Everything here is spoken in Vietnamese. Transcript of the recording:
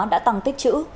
đã tăng tích chữ